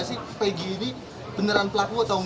kalau keluarga menaruh kepercayaan kepada pihak kepolisian